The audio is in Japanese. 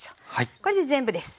これで全部です。